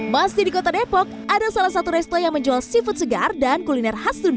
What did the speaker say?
masih di kota depok ada salah satu resto yang menjual seafood segar dan kuliner khas tunda